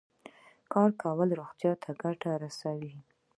کار کول روغتیا ته ګټه رسوي.